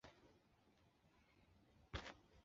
毕业于山东大学有机化学专业。